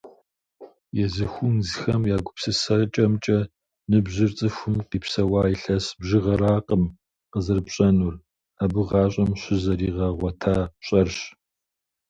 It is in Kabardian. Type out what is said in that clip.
Езы хунзхэм я гупсысэкӏэмкӏэ, ныбжьыр цӏыхум къипсэуа илъэс бжыгъэракъым къызэрыпщӏэнур, абы гъащӏэм щызригъэгъуэта пщӏэрщ.